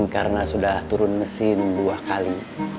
karena sudah turun mesin dua kali